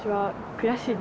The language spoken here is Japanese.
悔しい？